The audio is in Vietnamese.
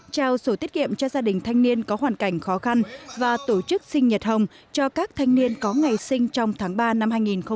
trao sổ tiết kiệm cho gia đình thanh niên có hoàn cảnh khó khăn và tổ chức sinh nhật hồng cho các thanh niên có ngày sinh trong tháng ba năm hai nghìn hai mươi